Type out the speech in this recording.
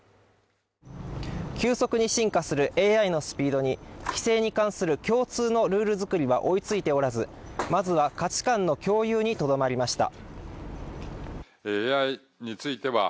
急速に進化するＡＩのスピードに規制に関する共通のルール作りは追いついておらず、まずは価値観の共有にとどまりました。